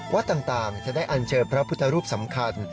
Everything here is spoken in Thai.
วัดต่างจะได้อันเชิญพระพุทธรูปสำคัญ